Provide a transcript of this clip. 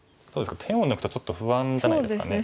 手を抜くとちょっと不安じゃないですかね。